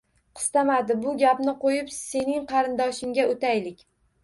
Qistamadi.Bu gapni qo'yib, sening qarindoshingga o'taylik.